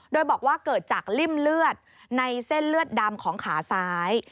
โดยบอกว่าเกิดจากริ่มเลือดในเส้นเลือดดำของขาซ้าย